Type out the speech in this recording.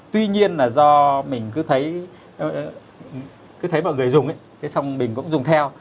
tuy nhiên là do mình cứ thấy mọi người dùng ý xong mình cũng dùng theo